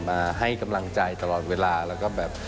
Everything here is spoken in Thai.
มาให้กำลังใจตลอดเวลาแล้วก็แบบ